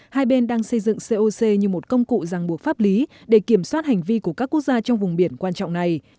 hai bên đang xây dựng coc như một công cụ ràng buộc pháp lý để kiểm soát hành vi của các quốc gia trong vùng biển quan trọng này